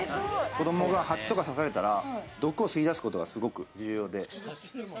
子どもがハチとか刺されたら毒を吸い出すことがすごく重要で。